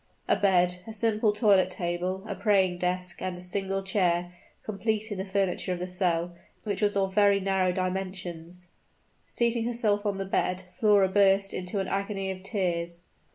A bed, a simple toilet table, a praying desk, and a single chair, completed the furniture of the cell, which was of very narrow dimensions. Seating herself on the bed, Flora burst into an agony of tears.